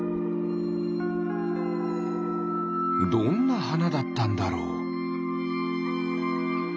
どんなはなだったんだろう？